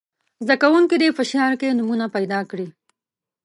زده کوونکي دې په شعر کې نومونه پیداکړي.